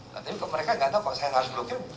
tapi mereka ga tau kok saya harus blognya